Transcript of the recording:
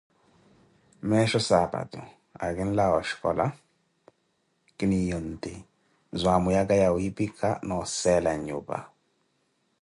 Meesho saapatu, akinlawa oshicola, kiniiya onti, zwaamuyaka ya wiipika na oseela nnyupa.